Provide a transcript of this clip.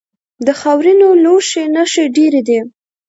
د خاورینو لوښو نښې ډیرې دي